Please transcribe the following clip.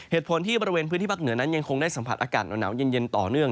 เหตุผลที่บริเวณพื้นที่ภาคเหนือนั้นยังคงได้สัมผัสอากาศหนาวเย็นต่อเนื่อง